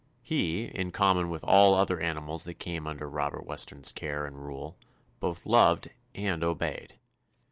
He, in common with all other animals that came un der Robert Weston's care and rule, both loved and obeyed.